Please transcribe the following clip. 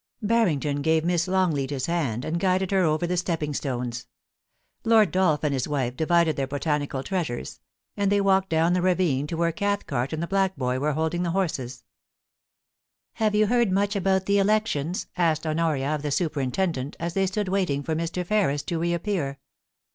Barrington gave Miss Longleat his hand, and guided her over the stepping stones. Lord Dolph and his wife divided their botanical treasures ; and they walked down the ravine to where Cathcart and the black boy were holding the horses. i82 POLICY AND PASSION, *Have you heard much about the elections?' asked Honoria of the superintendent, as they stood waiting for Mr. Ferris to reappear.